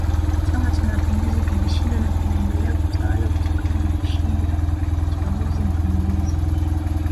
Chama Cha Mapinduzi kilishinda na kinaendelea kutawala kutokana na kushinda chaguzi mfululizo